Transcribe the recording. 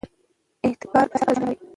احتکار د اقتصاد لپاره زیان لري.